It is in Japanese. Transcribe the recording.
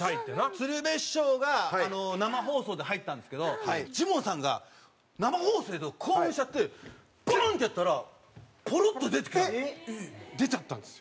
鶴瓶師匠が生放送で入ったんですけどジモンさんが生放送興奮しちゃってポーン！ってやったらポロッと出てきたの。出ちゃったんですよ。